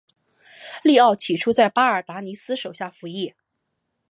利奥起初在巴尔达尼斯手下服役。